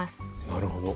なるほど。